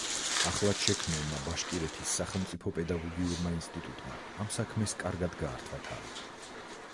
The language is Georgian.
ახლად შექმნილმა ბაშკირეთის სახელმწიფო პედაგოგიურმა ინსტიტუტმა ამ საქმეს კარგად გაართვა თავი.